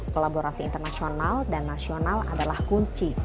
kolaborasi internasional dan nasional adalah kunci